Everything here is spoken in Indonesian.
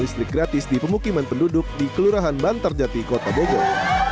listrik gratis di pemukiman penduduk di kelurahan bantarjati kota bogor